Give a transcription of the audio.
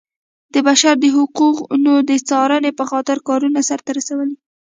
د بشر د حقونو د څارنې په خاطر کارونه سرته رسولي.